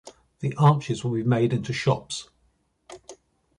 The arches will be made into shops.